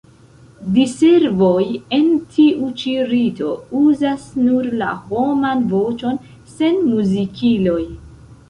Diservoj en tiu ĉi rito uzas nur la homan voĉon sen muzikiloj.